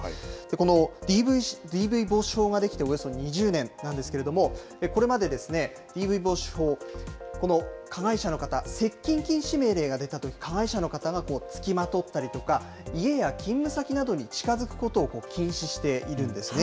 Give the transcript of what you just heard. このＤＶ防止法ができておよそ２０年なんですけれども、これまでＤＶ防止法、この加害者の方、接近禁止命令が出たとき、加害者の方が付きまとったりとか、家や勤務先などに近づくことを禁止しているんですね。